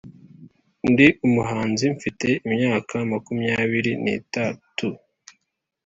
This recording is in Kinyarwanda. Ndi umuhanzi, mfite imyaka makumyabiriri n’itatu